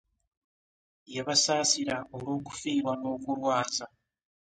Yabasaasira olwokufiirwa n’okulwaza.